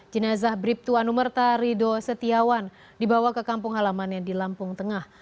jenazah bribtu anumerta rido setiawan dibawa ke kampung halamannya di lampung tengah